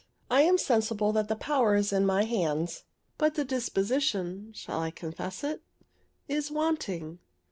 I am sensible that the power is in my hands; but the disposition (shall I confess it?) is wanting.